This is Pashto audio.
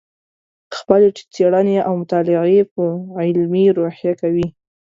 خپلې څېړنې او مطالعې په علمي روحیه کوې.